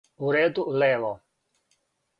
У реду, лево.